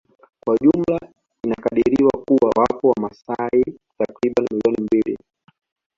Kwa jumla inakadiriwa kuwa wapo wamasai takribani milioni mbili